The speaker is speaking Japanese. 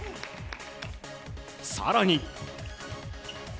更に。